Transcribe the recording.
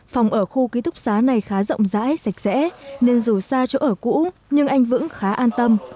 phòng ở khu ký túc xá này khá rộng rãi sạch sẽ nên dù xa chỗ ở cũ nhưng anh vững khá an tâm